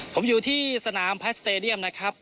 ผมอยู่ที่สนามแพทสเตดียมนะครับ